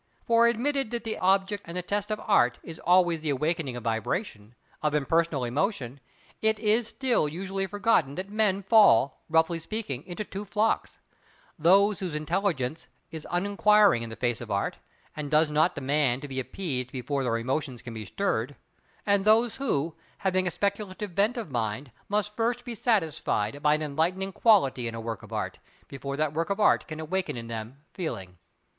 For, admitted that the abject, and the test of Art, is always the awakening of vibration, of impersonal emotion, it is still usually forgotten that men fall, roughly speaking, into two flocks: Those whose intelligence is uninquiring in the face of Art, and does not demand to be appeased before their emotions can be stirred; and those who, having a speculative bent of mind, must first be satisfied by an enlightening quality in a work of Art, before that work of Art can awaken in them feeling.